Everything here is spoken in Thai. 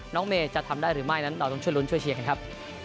เมย์จะทำได้หรือไม่นั้นเราต้องช่วยลุ้นช่วยเชียร์กันครับ